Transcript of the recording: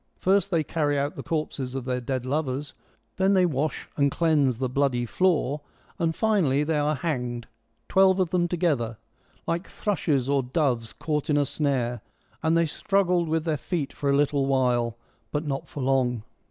First, they carry out the corpses of their dead lovers, then they wash and cleanse the bloody floor, and finally they are hanged — twelve of them together —' like thrushes or doves caught in a snare ; and they struggled with their feet for a little while, but not for long.'